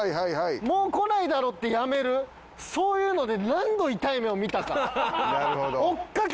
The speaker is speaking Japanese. もう来ないだろうってやめるそういうので何度痛い目を見たか。